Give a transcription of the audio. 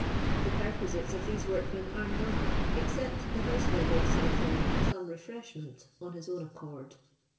The perquisites of these workmen are none, except the householder sends them some re freshment on his own accord.